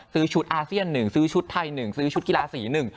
ซื้อชุดอาเซียน๑ซื้อชุดไทย๑ซื้อชุดกีฬาสี๑